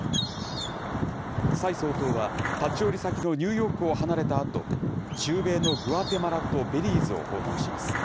蔡総統は立ち寄り先のニューヨークを離れた後中米のグアテマラとベリーズを訪問します。